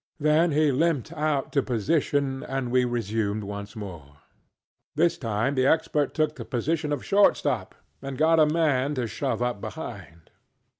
Then he limped out to position, and we resumed once more. This time the Expert took up the position of short stop, and got a man to shove up behind.